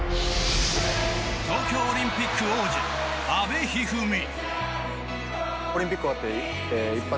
東京オリンピック王者阿部一二三。